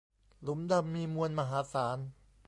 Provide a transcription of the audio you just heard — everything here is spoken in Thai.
หลุมดำมีมวลมหาศาล